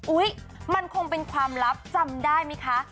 มันคงเป็นความลับจำได้ไหมคะ